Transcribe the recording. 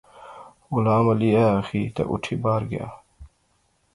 غلام علی ایہہ آخی تہ اٹھی باہر گیا